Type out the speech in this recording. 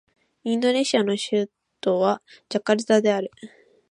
インドネシアの首都はジャカルタである